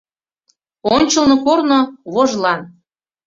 Ончылно корно — вожлан...